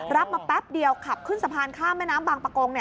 รับมาแป๊บเดียวขับขึ้นสะพานข้ามแม่น้ำบางประกง